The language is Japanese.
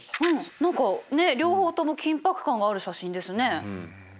何かねっ両方とも緊迫感がある写真ですね。